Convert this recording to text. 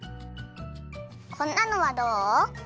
こんなのはどう？